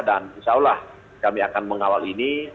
dan insya allah kami akan mengawal ini